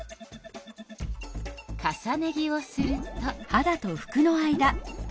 重ね着をすると。